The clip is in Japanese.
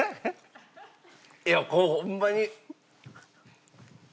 いやこれホンマに。